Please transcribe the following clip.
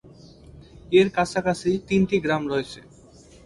এর কাছাকাছি তিনটি গ্রাম রয়েছে।